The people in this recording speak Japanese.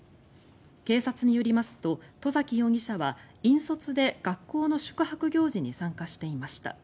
警察によりますと外崎容疑者は引率で学校の宿泊行事に参加していました。